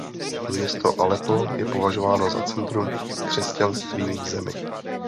Město Aleppo je považováno za centrum křesťanství v zemi.